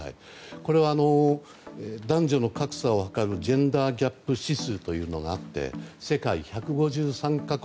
これは男女の格差を測るジェンダーギャップ指数というのがあって世界１５３か国